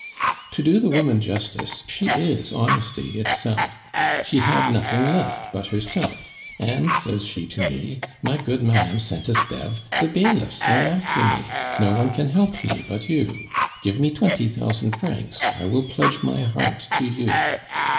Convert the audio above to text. "To do the woman justice, she is honesty itself. She had nothing left but herself, and says she to me: 'My good Madame Saint Esteve, the bailiffs are after me; no one can help me but you. Give me twenty thousand francs. I will pledge my heart to you.